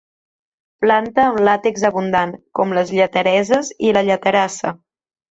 Planta amb làtex abundant, com les lletereses i la lleterassa.